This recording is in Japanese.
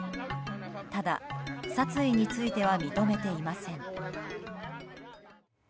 ただ、殺意については認めていません。